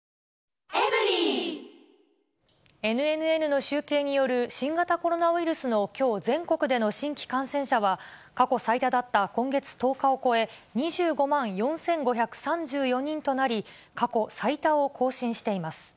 ＮＮＮの集計による、新型コロナウイルスのきょう全国での新規感染者は、過去最多だった今月１０日を超え、２５万４５３４人となり、過去最多を更新しています。